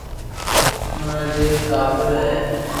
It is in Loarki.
امارآ ڇي ٽاٻر ھي